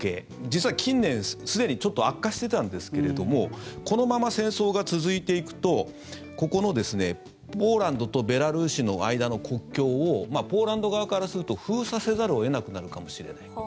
実は近年すでにちょっと悪化していたんですけれどもこのまま戦争が続いていくとここの、ポーランドとベラルーシの間の国境をポーランド側からすると封鎖せざるを得なくなるかもしれない。